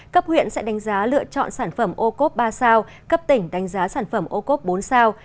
cấp huyện sẽ đánh giá lựa chọn sản phẩm ô cốp ba sao cấp tỉnh đánh giá sản phẩm ô cốp bốn sao